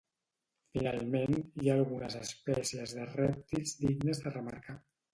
Finalment, hi ha algunes espècies de rèptils dignes de remarcar.